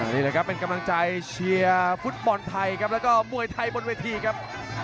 นี่แหละครับเป็นกำลังใจเชียร์ฟุตบอลไทยครับแล้วก็มวยไทยบนเวทีครับ